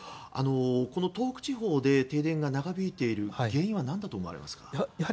東北地方で停電が長引いている原因は何だと思われますか？